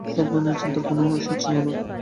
স্বপ্ন নিয়ে চিন্তার তাঁর কোনো শেষ ছিল না।